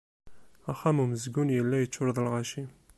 Axxam umezgun yella yeččur d lɣaci.